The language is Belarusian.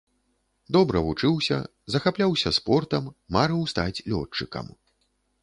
Добра вучыўся, захапляўся спортам, марыў стаць лётчыкам.